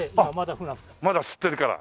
まだ釣ってるから。